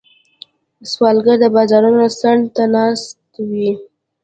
سوالګر د بازارونو څنډو ته ناست وي